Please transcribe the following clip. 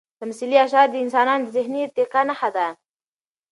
تمثیلي اشعار د انسانانو د ذهني ارتقا نښه ده.